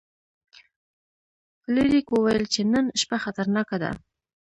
فلیریک وویل چې نن شپه خطرناکه ده.